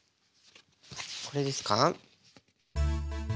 これですか？